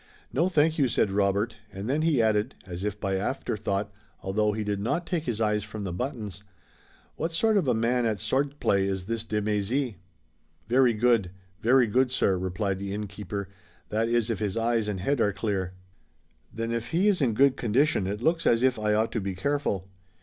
"No, thank you," said Robert, and then he added, as if by afterthought, although he did not take his eyes from the buttons: "What sort of a man at sword play is this de Mézy?" "Very good! Very good, sir," replied the innkeeper, "that is if his eyes and head are clear." "Then if he is in good condition it looks as if I ought to be careful."